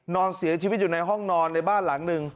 นอนเสียชีวิตอยู่ในห้องนอนในบ้านหลังหนึ่ง